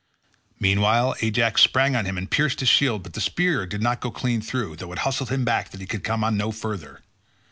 Meanwhile Ajax sprang on him and pierced his shield, but the spear did not go clean through, though it hustled him back that he could come on no further.